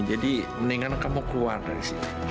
jadi mendingan kamu keluar dari sini